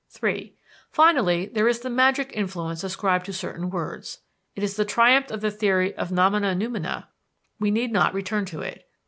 (3) Finally, there is the magic influence ascribed to certain words. It is the triumph of the theory of nomina numina; we need not return to it.